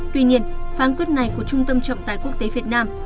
tuy nhiên phán quyết này của trung tâm trọng tài quốc tế việt nam